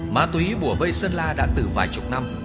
ma túy bùa vây sơn la đã từ vài chục năm